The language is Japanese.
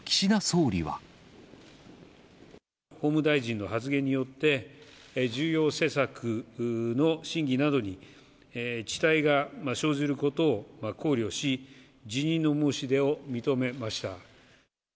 法務大臣の発言によって、重要政策の審議などに遅滞が生じることを考慮し、辞任の申し出を認めました。